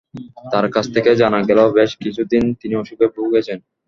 তাঁর কাছ থেকে জানা গেল, বেশ কিছু দিন তিনি অসুখে ভুগেছেন।